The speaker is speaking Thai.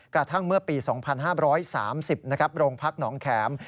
กระทั่งเมื่อปี๒๕๓๐โรงพักหนองแข็ม